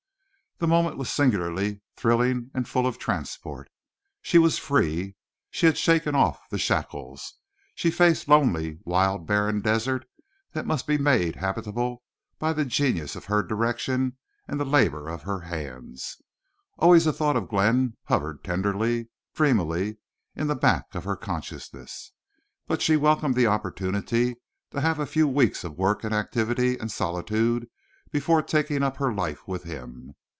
The moment was singularly thrilling and full of transport. She was free. She had shaken off the shackles. She faced lonely, wild, barren desert that must be made habitable by the genius of her direction and the labor of her hands. Always a thought of Glenn hovered tenderly, dreamily in the back of her consciousness, but she welcomed the opportunity to have a few weeks of work and activity and solitude before taking up her life with him.